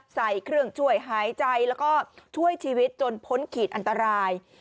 ใส่เครื่องช่วยหายใจแล้วก็ช่วยชีวิตจนพ้นขีดอันตราย